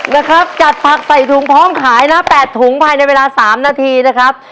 นะครับจัดผักใส่ถุงพร้อมขายนะ๘ถุงภายในเวลา๓นาทีนะครับ